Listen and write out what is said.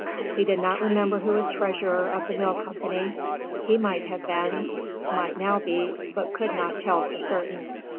He did not remember who was treasurer of the mill company; he might have been, might now be, but could not tell for certain."